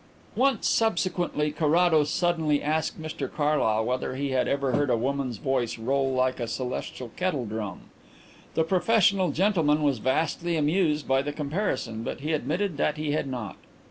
Once, subsequently, Carrados suddenly asked Mr Carlyle whether he had ever heard a woman's voice roll like a celestial kettle drum. The professional gentleman was vastly amused by the comparison, but he admitted that he had not.